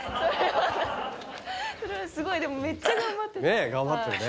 垢瓦でもめっちゃ頑張ってる。